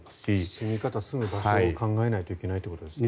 住み方、住む場所を考えなきゃいけないということですね。